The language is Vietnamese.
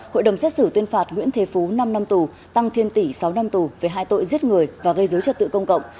hội đồng xét xử tuyên phạt nguyễn thế phú năm năm tù tăng thiên tỷ sáu năm tù về hai tội giết người và gây dối trật tự công cộng